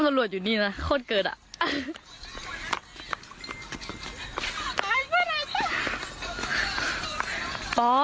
ขอดเกิดอยู่นี่แหละขอดเกิดอ่ะ